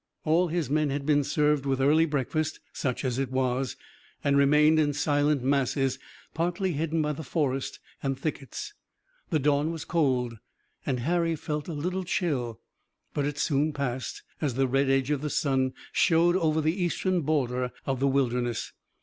All his men had been served with early breakfast, such as it was, and remained in silent masses, partly hidden by the forest and thickets. The dawn was cold, and Harry felt a little chill, but it soon passed, as the red edge of the sun showed over the eastern border of the Wilderness.